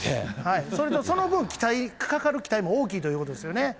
それとその分、かかる期待も大きいということですよね。